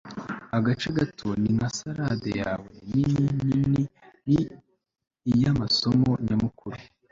agace gato ni ka salade yawe, nini nini ni iyamasomo nyamukuru